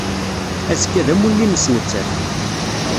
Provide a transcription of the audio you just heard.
Azekka d amulli-nnes nettat.